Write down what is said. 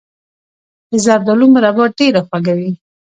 د زردالو مربا ډیره خوږه وي.